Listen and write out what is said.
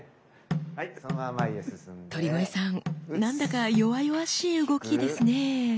鳥越さんなんだか弱々しい動きですね。